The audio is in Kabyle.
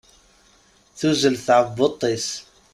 Tuzzel tɛebbuḍt-is.